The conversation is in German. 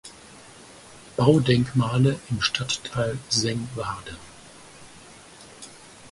Baudenkmale im Stadtteil Sengwarden.